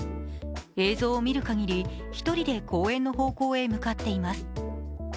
映像を見るかぎり、１人で公園の方向に向かっています。